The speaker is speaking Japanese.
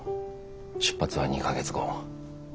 出発は２か月後。